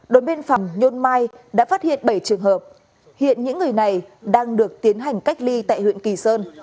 đội biên phòng nhôn mai đã phát hiện bảy trường hợp hiện những người này đang được tiến hành cách ly tại huyện kỳ sơn